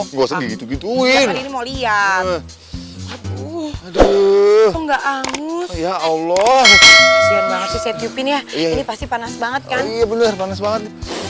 enggak angus ya allah ini pasti panas banget kan iya bener banget